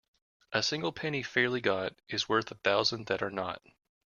A single penny fairly got is worth a thousand that are not.